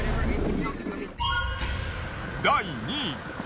第２位。